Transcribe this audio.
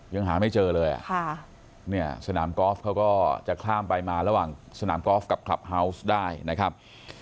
ยังหาไม่เจอเลยอ่ะค่ะเนี่ยสนามกอล์ฟเขาก็จะข้ามไปมาระหว่างสนามกอล์ฟกับคลับเฮาวส์ได้นะครับ